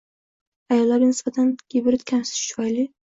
Ayollarga nisbatan gibrid kamsitish tufayli